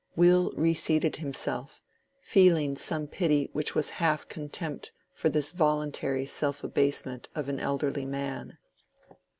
Will reseated himself, feeling some pity which was half contempt for this voluntary self abasement of an elderly man.